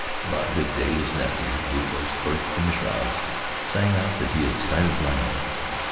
About midday his nephew, who was perched in the shrouds, sang out that he had sighted land.